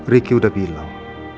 ricky udah bilang